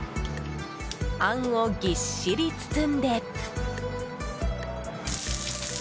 あんをぎっしり包んで。